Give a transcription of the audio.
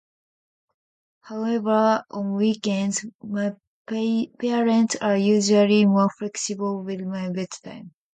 However, on weekends, my parents are usually more flexible with my bedtime.